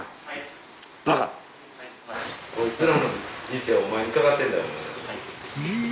はい。